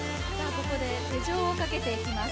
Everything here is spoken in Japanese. ここで手錠をかけていきます